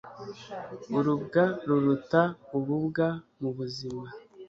urubwa ruruta ububwa mu buzima